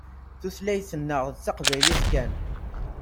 Tutlayt-nneɣ d taqbaylit kan.